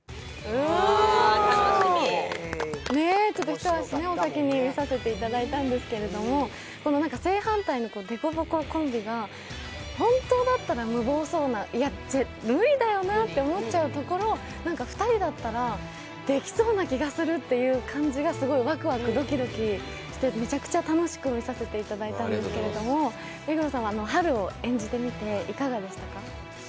一足お先に見させていただいたんですけど、正反対の凸凹コンビが本当だったら無謀そうな、無理だよなって思っちゃうところも２人だったらできそうな感じがすごいワクワクドキドキして、むちゃくちゃ楽しく見さていただいたんですけど、目黒さんはハルを演じてみていかがでしたか？